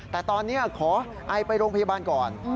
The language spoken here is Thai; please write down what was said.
แต่ตอนนี้ขอไอไปโรงพยาบาลก่อน